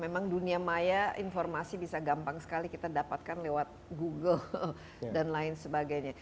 memang dunia maya informasi bisa gampang sekali kita dapatkan lewat google dan lain sebagainya